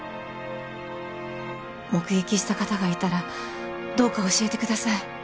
目撃した方がいたらどうか教えてください